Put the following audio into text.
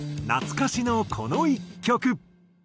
懐かしのこの１曲。